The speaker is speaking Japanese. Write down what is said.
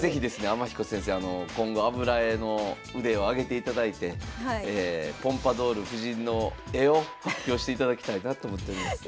天彦先生今後油絵の腕を上げていただいてポンパドール夫人の絵を発表していただきたいなと思っております。